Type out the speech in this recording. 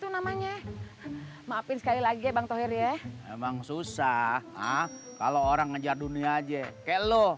namanya maafin sekali lagi bang tauhir ya emang susah ah kalau orang ngejar dunia aja kek lo